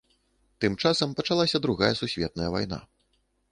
Тым часам пачалася другая сусветная вайна.